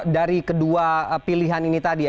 dari kedua pilihan ini tadi ya